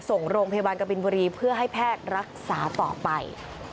ส่งโรงพยาบาลกบินบุรีเพื่อให้แพทย์รักษาต่อไป